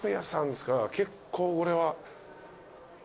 結構これは。